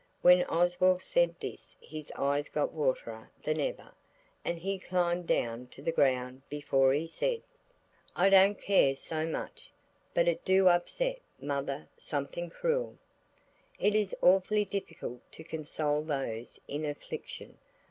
When Oswald said this his eyes got waterier than ever, and he climbed down to the ground before he said– "I don't care so much, but it do upset mother something crool." It is awfully difficult to console those in affliction.